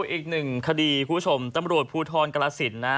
อีกหนึ่งคดีคุณผู้ชมตำรวจภูทรกรสินนะ